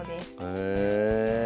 へえ。